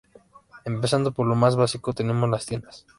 Empezando por lo más básico, tenemos las tiendas.